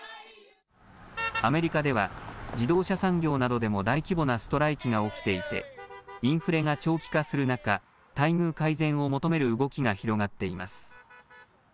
アメリカでは自動車産業などでも大規模なストライキが起きていてインフレが長期化する中、待遇改善を求める動きが広がっています。